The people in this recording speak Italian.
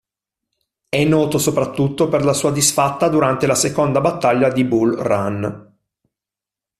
È noto soprattutto per la sua disfatta durante la Seconda battaglia di Bull Run.